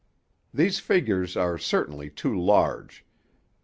These figures are certainly too large.